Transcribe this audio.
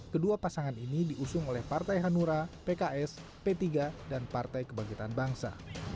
kedua pasangan ini diusung oleh partai hanura pks p tiga dan partai kebangkitan bangsa